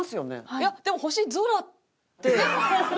いやでも「星空」って。